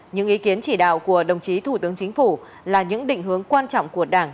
những ý kiến chỉ đạo của đồng chí thủ tướng chính phủ là những định hướng quan trọng của đảng